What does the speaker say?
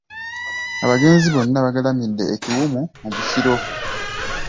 Abagenzi bonna bagalamidde e Kiwumu mu Busiro.